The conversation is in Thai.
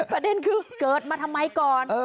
ประเด็นคือเกิดมาทำไมก่อน